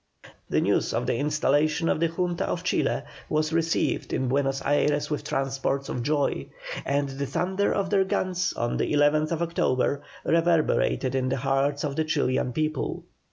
The news of the installation of the Junta of Chile was received in Buenos Ayres with transports of joy, and the thunder of their guns on the 11th October, reverberated in the hearts of the Chilian people.